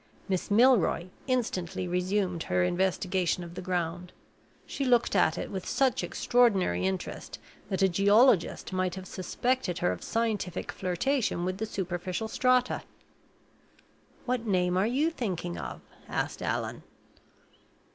Miss Milroy instantly resumed her investigation of the ground. She looked at it with such extraordinary interest that a geologist might have suspected her of scientific flirtation with the superficial strata. "What name are you thinking of?" asked Allan.